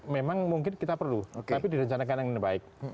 memang mungkin kita perlu tapi direncanakan yang baik